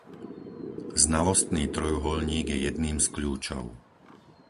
Znalostný trojuholník je jedným z kľúčov.